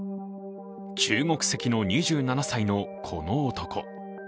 中国籍の２７歳のこの男。